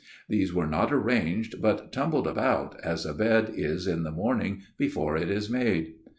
These were not arranged but tumbled about, as a bed is in the morning before it is made.